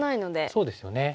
そうですよね。